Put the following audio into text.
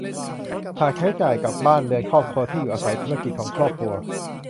หากใช้จ่ายกับบ้านเรือนครอบครัว ที่อยู่อาศัย ธุรกิจของครอบครัว